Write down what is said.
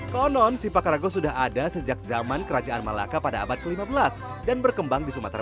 konon sipakarago sudah ada sejak zaman kerajaan malaka pada abad ke lima belas dan berkembang di sumatera